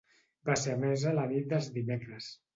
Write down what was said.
Va ser emesa la nit dels dimecres.